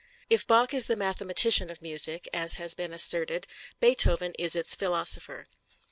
If Bach is the mathematician of music, as has been asserted, Beethoven is its philosopher.